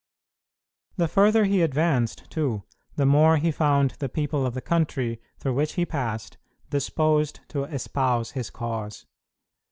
The further he advanced, too, the more he found the people of the country through which he passed disposed to espouse his cause.